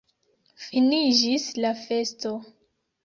Finiĝis la festo.